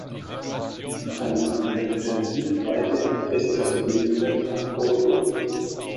Die Familie unterhielt weiterhin feste Verbindungen nach Bordeaux.